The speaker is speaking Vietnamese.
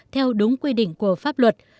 theo đúng quy định của bộ công an